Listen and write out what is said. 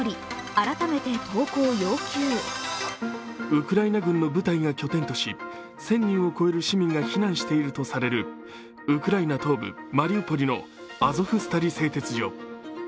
ウクライナ軍の部隊が拠点とし、１０００人を超える市民が避難しているとされるウクライナ東部マリウポリのアゾフスタリ製鉄所。